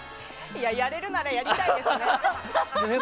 やれるならやりたいですね。